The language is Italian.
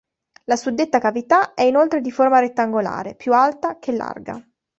La suddetta cavità è inoltre di forma rettangolare, più alta che larga.